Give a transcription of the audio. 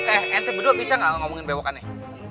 eh anti berdua bisa gak ngomongin bewokan nih